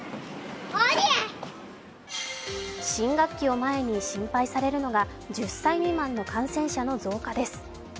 新学期を前に心配されるのが１０歳未満の感染者の増加です。